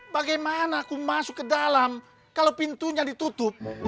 bagaimana aku masuk ke dalam kalau pintunya ditutup